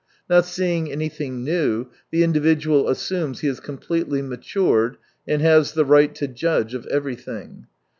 Not seeing anything new, the individual assumes he is completely matured and has the right to judge of everything.